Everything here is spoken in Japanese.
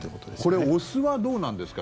これお酢はどうなんですか？